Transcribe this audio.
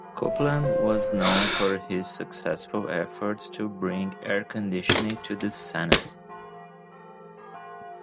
Copeland was known for his successful efforts to bring air conditioning to the Senate.